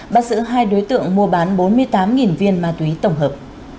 bắt giữ hai đối tượng mua bán bốn mươi tám viên ma túy tổng hợp